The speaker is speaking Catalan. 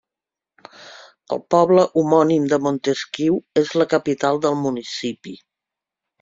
El poble homònim de Montesquiu és la capital del municipi.